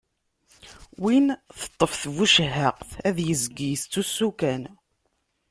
Win teṭṭef tbucehhaqt, ad yezg yettusu kan.